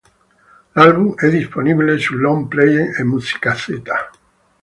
L'album è disponibile su long playing e musicassetta.